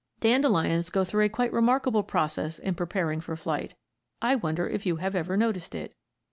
Dandelions go through quite a remarkable process in preparing for flight. I wonder if you have ever noticed it.